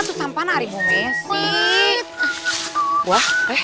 atau tidak bisa dimana mana